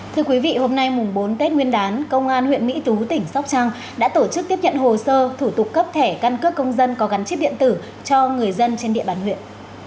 thưa quý vị hôm nay bốn tết nguyên đán công an huyện mỹ tú tỉnh sóc trăng đã tổ chức tiếp nhận hồ sơ thủ tục cấp thẻ căn cước công dân có gắn chip điện tử cho người dân trên địa bàn huyện